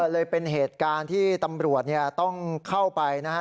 เลยเป็นเหตุการณ์ที่ตำรวจต้องเข้าไปนะฮะ